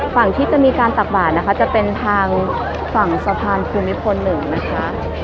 ฝั่งที่จะมีการตักบาดนะคะจะเป็นทางฝั่งสะพานภูมิพล๑นะคะ